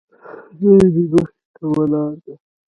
نن مې مخې ته ولاړه ده.